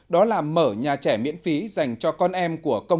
đó là mở nhà trẻ miễn phí dành cho con em